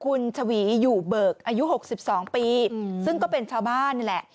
คุณชวีอยู่เบิกอายุ๖๒ปีซึ่งก็เป็นชาวบ้านนี่แหละ